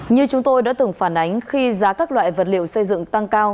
như chúng tôi đã từng phản ánh khi giá các loại vật liệu xây dựng tăng cao